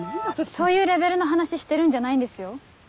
そういうレベルの話してるんじゃないんですよ。